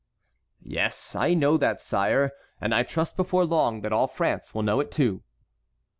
"Yes, I know that, sire; and I trust before long that all France will know it too."